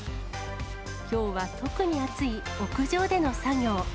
きょうは特に暑い屋上での作業。